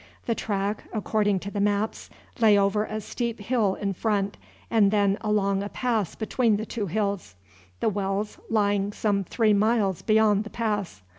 The track, according to the maps, lay over a steep hill in front and then along a pass between two hills, the wells lying some three miles beyond the pass.